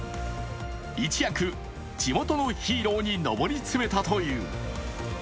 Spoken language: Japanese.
一躍、地元のヒーローに上り詰めたという。